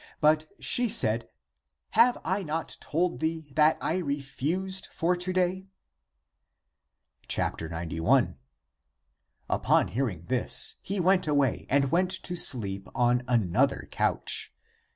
But she said, " Have I not told thee, that I refused for to day? " 91. Upon hearing this he went away and went to sleep on another couch.